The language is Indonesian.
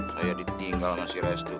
saya ditinggal dengan si restu